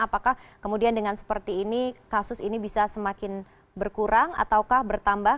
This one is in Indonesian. apakah kemudian dengan seperti ini kasus ini bisa semakin berkurang ataukah bertambah